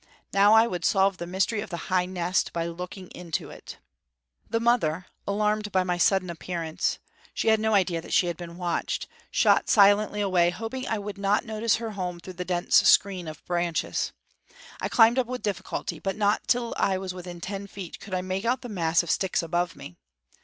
Now I would solve the mystery of the high nest by looking into it. The mother, alarmed by my sudden appearance, she had no idea that she had been watched, shot silently away, hoping I would not notice her home through the dense screen of branches. I climbed up with difficulty; but not till I was within ten feet could I make out the mass of sticks above me.